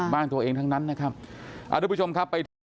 บ้านตัวเองทั้งนั้นนะครับ